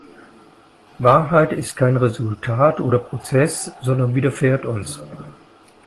Wahrheit ist kein Resultat oder Prozess, sondern widerfährt uns.